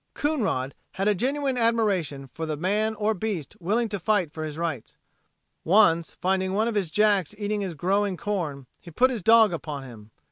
Coonrod had a genuine admiration for the man or beast willing to fight for his rights. Once finding one of his jacks eating his growing corn, he put his dog upon him.